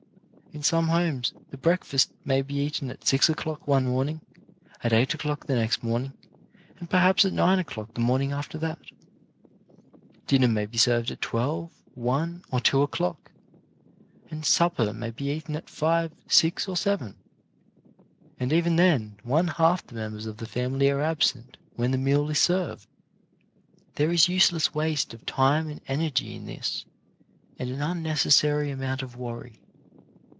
In some homes the breakfast may be eaten at six o'clock one morning, at eight o'clock the next morning, and, perhaps, at nine o'clock the morning after that. Dinner may be served at twelve, one, or two o'clock, and supper may be eaten at five, six or seven; and even then one half the members of the family be absent Tyhen the meal is served. There is useless waste SYSTEM IN HOME LIFE 83 of time and energy in this, and an unnecessary amount of worry.